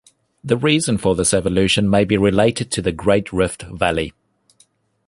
The reason for this evolution may be related to the Great Rift Valley.